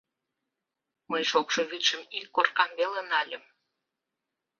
Мый шокшо вӱдшым ик коркам веле нальым.